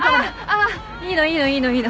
あっいいのいいのいいの。